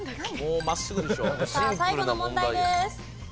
さあ最後の問題です。